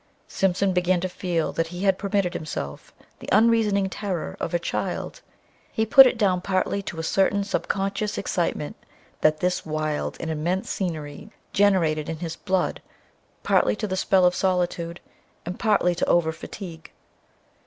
Simpson began to feel that he had permitted himself the unreasoning terror of a child. He put it down partly to a certain subconscious excitement that this wild and immense scenery generated in his blood, partly to the spell of solitude, and partly to overfatigue.